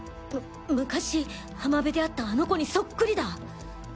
む昔浜辺で会ったあの子にそっくりだ。